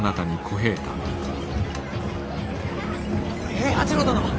平八郎殿！